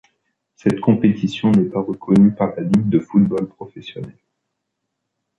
Cette compétition n'est pas reconnue par la Ligue de football professionnel.